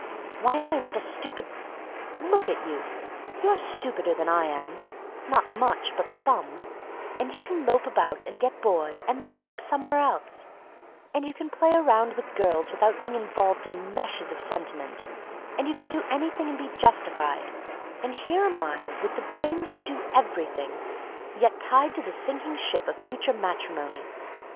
Why am I not a stupid—? Look at you; you're stupider than I am, not much, but some, and you can lope about and get bored and then lope somewhere else, and you can play around with girls without being involved in meshes of sentiment, and you can do anything and be justified—and here am I with the brains to do everything, yet tied to the sinking ship of future matrimony.